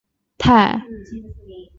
太清观主祀太上老君。